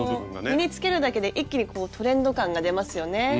身に着けるだけで一気にこうトレンド感が出ますよね。